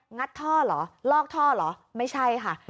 ัดท่อเหรอลอกท่อเหรอไม่ใช่ค่ะ